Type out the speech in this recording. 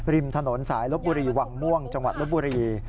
ริมถนนสายลบบุรีวังม่วงจังหวัดลบบุรี